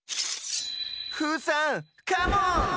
フーさんカモン！